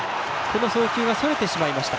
送球がそれてしまいました。